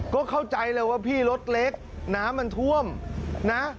ก็เข้าใจเลยว่าพี่รถเล็กน้ำมันท่วมนะ